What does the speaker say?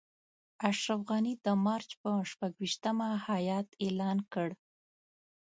اشرف غني د مارچ پر شپږویشتمه هیات اعلان کړ.